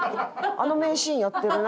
あの名シーンやってるな？